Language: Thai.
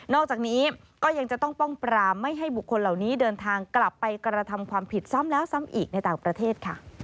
อกจากนี้ก็ยังจะต้องป้องปรามไม่ให้บุคคลเหล่านี้เดินทางกลับไปกระทำความผิดซ้ำแล้วซ้ำอีกในต่างประเทศค่ะ